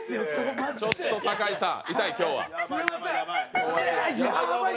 ちょっと酒井さん、今日は痛い？